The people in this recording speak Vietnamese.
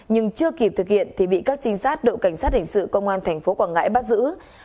nhưng chưa kịp thực hiện thì bị các trinh sát đội cảnh sát hình sự công an tp quảng ngãi bắt giữ